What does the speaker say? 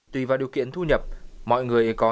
tùy vào điều kiện thu nhập mọi người có nhiều lượng